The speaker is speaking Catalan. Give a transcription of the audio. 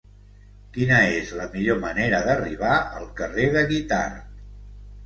Quina és la millor manera d'arribar al carrer de Guitard?